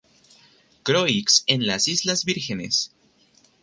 Croix en las Islas Vírgenes.